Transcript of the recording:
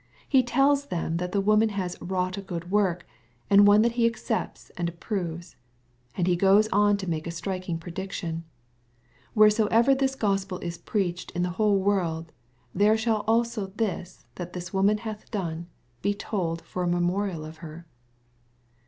He tells them that the woman has ^^ wrought a ^od work/' and one that he accepts and approves. And he goes on to make a striking prediction, (j Wheresoever this Gospel is preached in the whole world, there shall also this, that this woman hath done, be told for a memorial of her.